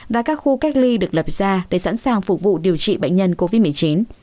và các khu cách ly được lập ra để sẵn sàng phục vụ điều trị bệnh nhân covid một mươi chín